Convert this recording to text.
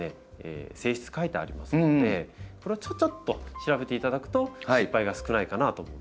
性質書いてありますのでこれをちょちょっと調べていただくと失敗が少ないかなと思うんです。